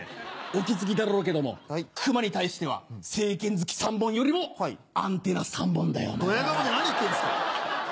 お気付きだろうけども熊に対しては正拳突き３本よりもアンテナ３本だよ。ドヤ顔で何言ってんですか。